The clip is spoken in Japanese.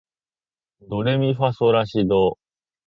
ドレミファソラシド